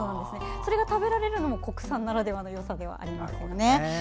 それが食べられるのも国産ならではのよさでもありますね。